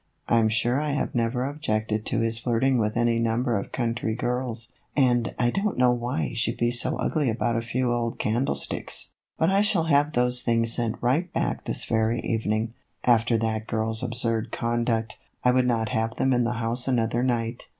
I 'm sure I have never objected to his flirting with any number of country girls, and I don't know why he should be so ugly about a few old candlesticks. But I shall have those things sent right back this very evening. After that girl's absurd conduct, I would not have them in the house another night."